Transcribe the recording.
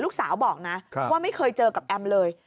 ลูกสาวบอกนะว่าไม่เคยเจอกับแอมเลย